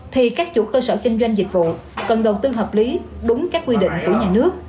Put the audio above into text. thì các chủ cơ sở kinh doanh dịch vụ cần đầu tư hợp lý đúng các quy định của nhà nước